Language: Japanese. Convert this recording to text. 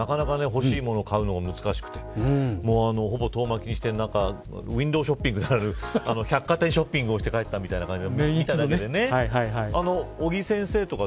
なかなか欲しい物を買うのも難しくて遠巻きにしてウインドウショッピングならぬ百貨店ショッピングをして帰ったみたいな感じです。